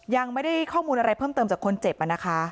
ยังไม่ได้ข้อมูลอะไรเพิ่มเติมจากคนเจ็บนะคะ